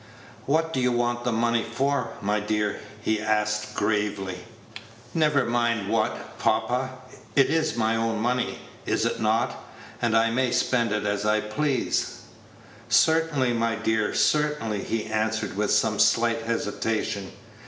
"What do you want the money for, my dear?" he asked, gravely. "Never mind what, papa. It is my own money, is it not, and I may spend it as I please?" "Certainly, my dear, certainly," he answered, with some slight hesitation.